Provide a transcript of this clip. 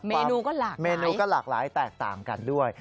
เมนูก็หลากหลายแตกต่างกันด้วย